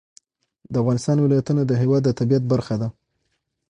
د افغانستان ولایتونه د هېواد د طبیعت برخه ده.